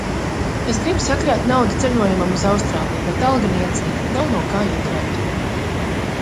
Es gribu sakrāt naudu ceļojumam uz Austrāliju, bet alga niecīga, nav no kā iekrāt.